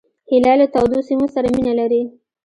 هیلۍ له تودو سیمو سره مینه لري